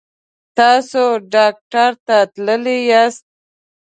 تاسو ډاکټر ته تللي یاست؟